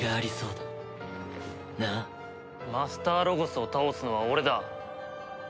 マスターロゴスを倒すのは俺だ。